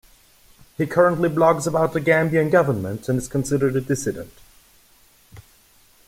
He currently blogs about the Gambian government and is considered a "dissident".